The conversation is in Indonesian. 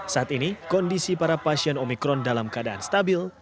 saat ini kondisi para pasien omikron dalam keadaan stabil